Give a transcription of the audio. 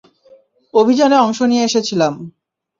অভিযানে অংশ নিয়ে এসেছিলাম।